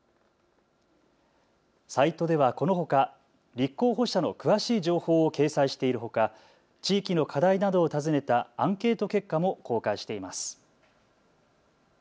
サイトではこのほか立候補者の詳しい情報を掲載しているほか地域の課題などを尋ねたアンケート結果も公開しています。